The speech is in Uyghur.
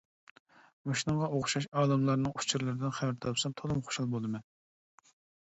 مۇشۇنىڭغا ئوخشاش ئالىملارنىڭ ئۇچۇرلىرىدىن خەۋەر تاپسام تولىمۇ خۇشال بولىمەن.